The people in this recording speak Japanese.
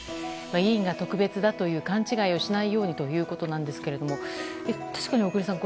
議員が特別だという勘違いをしないようにということなんですが小栗さん